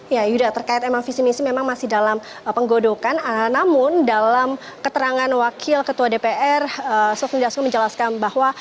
ya yuda terkait memang visi misi memang masih dalam penggodokan namun dalam keterangan wakil ketua dpr sufmi dasko menjelaskan bahwa